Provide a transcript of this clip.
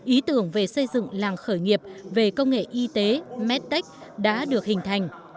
ý tưởng về xây dựng làng khởi nghiệp về công nghệ y tế medtech đã được hình thành